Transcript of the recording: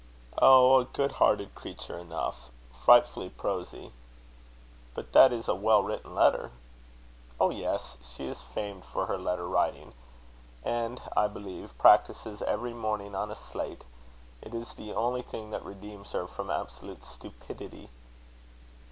"Oh, a good hearted creature enough. Frightfully prosy." "But that is a well written letter?" "Oh, yes. She is famed for her letter writing; and, I believe, practises every morning on a slate. It is the only thing that redeems her from absolute stupidity."